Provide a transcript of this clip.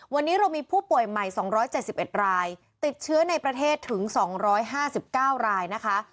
วันนี้เรามีผู้ป่วยใหม่๒๗๑รายติดเชื้อในประเทศถึง๒๕๙รายนะคะ